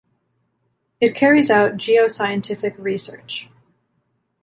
It carries out geoscientific research.